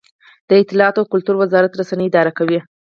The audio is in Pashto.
د اطلاعاتو او کلتور وزارت رسنۍ اداره کوي